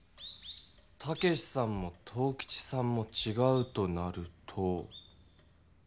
武さんも藤吉さんもちがうとなると。